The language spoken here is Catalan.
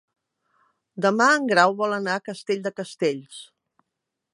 Demà en Grau vol anar a Castell de Castells.